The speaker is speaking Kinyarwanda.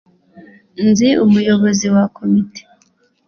nzi umuyobozi wa komite